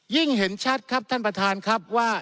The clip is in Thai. เห็นชัดครับท่านประธานครับว่า